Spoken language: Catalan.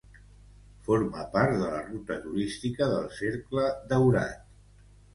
Forma part de la ruta turística del Cercle Daurat.